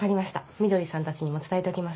みどりさんたちにも伝えておきます。